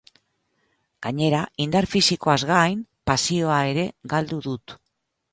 Gainera, indar fisikoaz gain, pasioa ere galdu dut.